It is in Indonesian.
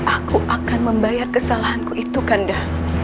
aku akan membayar kesalahanku itu kanda